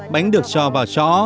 bánh được cho vào chó